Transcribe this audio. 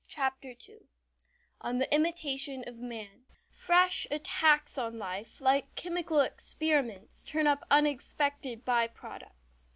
CHAPTER II ON THE IMITATION OF MAN Fresh attacks on life, like chemical experiments, turn up unexpected by products.